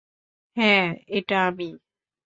হ্যা, এটা আমি।